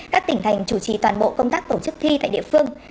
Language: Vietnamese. các tỉnh thành chủ trì toàn bộ công tác tổ chức thi tại địa phương